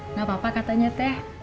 nggak apa apa katanya teh